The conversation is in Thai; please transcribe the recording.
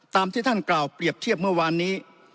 ตามที่ท่านกล่าวเปรียบเทียบเมื่อวานนี้